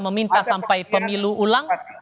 meminta sampai pemilu ulang